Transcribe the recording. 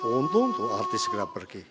untung untuk artis segera pergi